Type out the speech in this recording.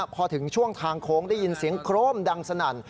พอถึงช่วงทางโค้งได้ยินเสียงโครมดังสนั่น